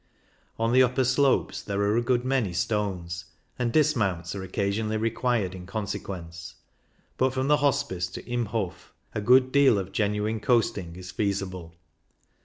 On the upper slopes there are a good many stones, and dismounts are occasionally required in consequence ; but from the Hospice to Im Hof a good deal of genuine coasting is feasible.